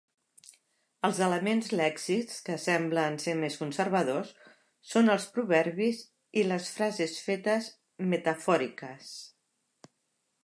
Els elements lèxics que semblen ser més conservadors són els proverbis i les frases fetes metafòriques.